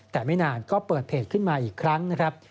แต่ไม่นานก็เปิดเพจขึ้นมาอีกครั้งนะครับ